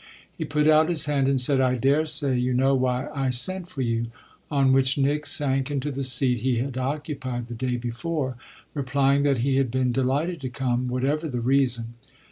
He put out his hand and said, "I daresay you know why I sent for you"; on which Nick sank into the seat he had occupied the day before, replying that he had been delighted to come, whatever the reason.